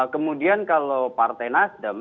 kemudian kalau partai nasdam